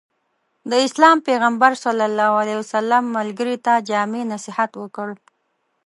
د اسلام پيغمبر ص ملګري ته جامع نصيحت وکړ.